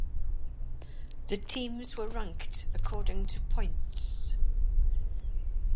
The teams were ranked according to points.